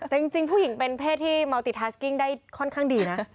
แต่จริงผู้หญิงเป็นเพศที่เมาติทาสกิ้งได้ค่อนข้างดีนะ